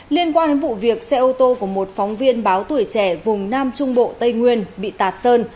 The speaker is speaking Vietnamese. liên quan đến vụ việc xe ô tô của một phóng viên báo tuổi trẻ vùng nam trung bộ tây nguyên bị tạt sơn